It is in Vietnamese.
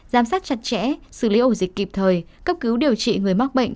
giám sát chặt chẽ xử lý ổ dịch kịp thời cấp cứu điều trị người mắc bệnh